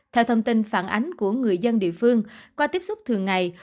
theo thông tin phản ánh của người dân địa phương qua tiếp xúc thường ngày